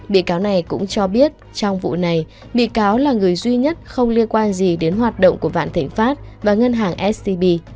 bị cao này cũng cho biết trong vụ này bị cao là người duy nhất không liên quan gì đến hoạt động của vạn thỉnh pháp và ngân hàng stb